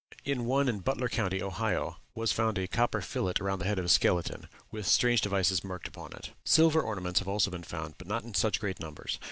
In one in Butler County, Ohio, was found a copper fillet around the head of a skeleton, with strange devices marked upon it. Silver ornaments have also been found, but not in such great numbers.